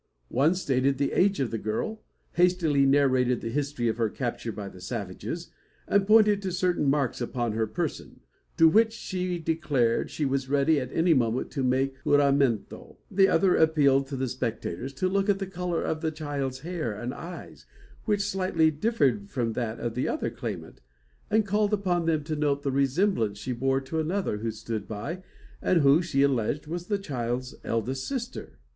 One stated the age of the girl, hastily narrated the history of her capture by the savages, and pointed to certain marks upon her person, to which she declared she was ready at any moment to make juramento. The other appealed to the spectators to look at the colour of the child's hair and eyes, which slightly differed from that of the other claimant, and called upon them to note the resemblance she bore to another, who stood by, and who, she alleged, was the child's eldest sister.